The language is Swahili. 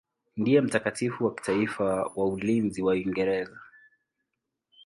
Ndiye mtakatifu wa kitaifa wa ulinzi wa Uingereza.